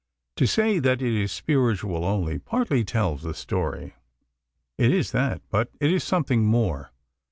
To say that it is spiritual only partly tells the story. It is that, but it is something more.